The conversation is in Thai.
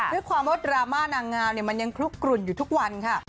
ด้วยความว่าดราม่านางงามมันยังคลุกกลุ่นอยู่ทุกวันค่ะ